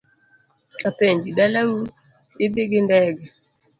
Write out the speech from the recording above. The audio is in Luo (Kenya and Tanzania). Apenji, dalau idhi gi ndege?